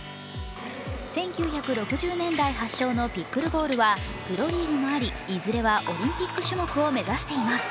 １９６０年代発祥のピックルボールはプロリーグもありいずれはオリンピック種目を目指しています。